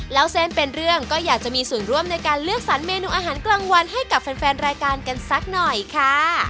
แล้วเส้นเป็นเรื่องก็อยากจะมีส่วนร่วมในการเลือกสรรเมนูอาหารกลางวันให้กับแฟนรายการกันสักหน่อยค่ะ